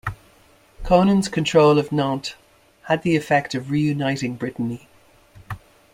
Conan's control of Nantes had the effect of reuniting Brittany.